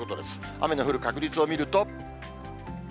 雨の降る確率を見ると。